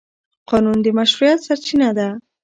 قانون د مشروعیت سرچینه ده.